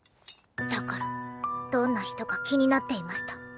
だからどんな人か気になっていました。